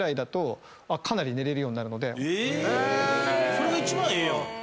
それが一番ええやん。